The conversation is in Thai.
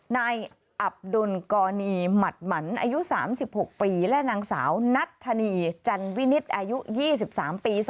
นายอับดุลกรณีหมัดหมันอายุ๓๖ปีและนางสาวนัทธนีจันวินิตอายุ๒๓ปี